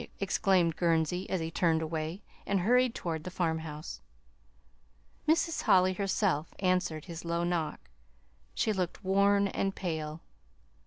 exclaimed Gurnsey, as he turned away, and hurried toward the farmhouse. Mrs. Holly herself answered his low knock. She looked worn and pale.